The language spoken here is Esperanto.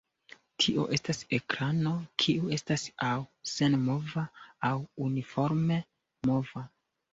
Tio estas ekrano kiu estas aŭ senmova aŭ uniforme mova.